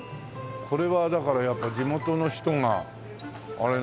これはだからやっぱり地元の人があれなんだね。